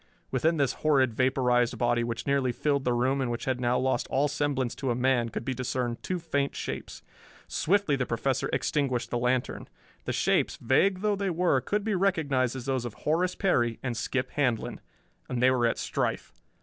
Within this horrid vaporized body, which nearly filled the room and which had now lost all semblance to a man, could be discerned two faint shapes. Swiftly the Professor extinguished the lantern. The shapes, vague though they were, could be recognized as those of Horace Perry and Skip Handlon. And they were at strife!